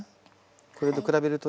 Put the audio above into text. これと比べるとね。